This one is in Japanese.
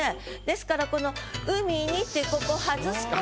ですからこの「湖に」ってここ外すことで。